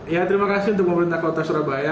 ya terima kasih untuk pemerintah kota surabaya